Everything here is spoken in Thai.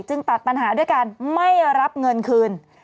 ตัดปัญหาด้วยการไม่รับเงินคืน